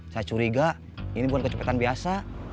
saya curiga ini bukan kecepatan biasa